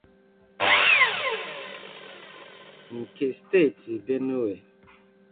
nke steeti Benue.